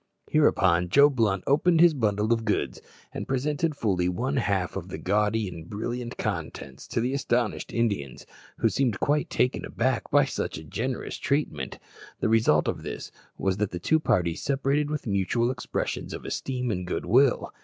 Hereupon Joe Blunt opened his bundle of goods, and presented fully one half of the gaudy and brilliant contents to the astonished Indians, who seemed quite taken aback by such generous treatment. The result of this was that the two parties separated with mutual expressions of esteem and good will.